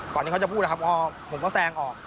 ที่เขาจะพูดนะครับผมก็แซงออก